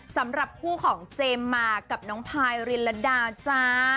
สำหรับผู้ของเจมมากกับน้องพายเรียนละดาจ้า